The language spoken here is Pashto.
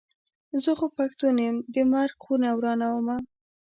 زه خو پښتون یم د مرک خونه ورانومه.